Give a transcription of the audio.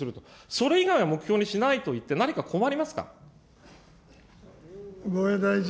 それ以外は目標にしないと言って、何か困りますか。